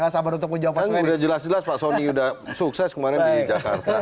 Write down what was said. kan udah jelas jelas pak sony sudah sukses kemarin di jakarta